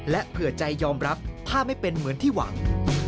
และเผื่อใจยอมรับถ้าไม่เป็นเหมือนที่หวัง